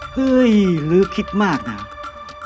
เห้ยลืมคิดมากนะ